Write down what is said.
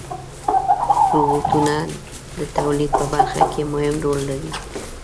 روبوټونه د تولید په برخه کې مهم رول لري.